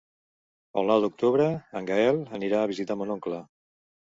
El nou d'octubre en Gaël anirà a visitar mon oncle.